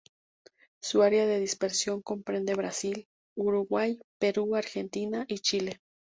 Su área de dispersión comprende Brasil, Uruguay, Perú, Argentina y Chile.